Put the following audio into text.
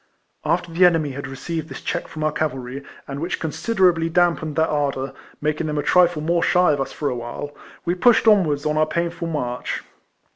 After the enemy had received this clieck from our cavalry, and which considerably damped their ardour, making them a trifle more shy of us for awhile, we pushed on wards on our painful march.